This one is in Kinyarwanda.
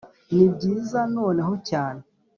nibyiza noneho cyane